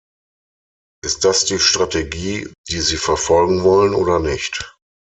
Ist das die Strategie, die Sie verfolgen wollen oder nicht?